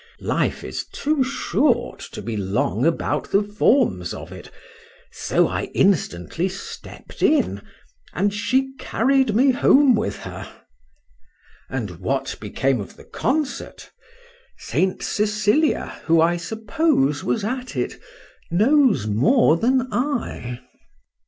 —Life is too short to be long about the forms of it,—so I instantly stepp'd in, and she carried me home with her.—And what became of the concert, St. Cecilia, who I suppose was at it, knows more than I.